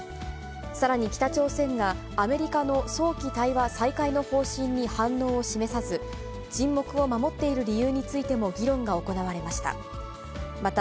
さらに北朝鮮がアメリカの早期対話再開の方針に反応を示さず、沈黙を守っている理由についても議論が行われました。